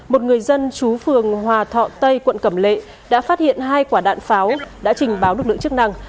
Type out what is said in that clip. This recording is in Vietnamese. một người dân chú phường hòa thọ tây quận cẩm lệ đã phát hiện hai quả đạn pháo đã trình báo lực lượng chức năng